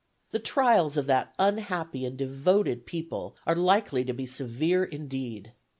The trials of that unhappy and devoted people are likely to be severe indeed.